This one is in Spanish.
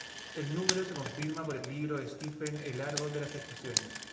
El número se confirma por el libro de Stephen El Árbol de las estaciones.